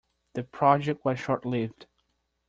The project was short-lived.